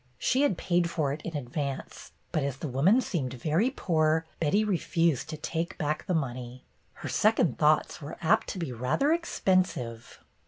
She had paid for it in advance, but as the woman seemed very poor, Betty refused to take back the money. Her second thoughts were apt to be rather expensive